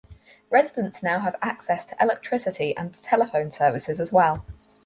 Residents now have access to electricity and telephone services as well.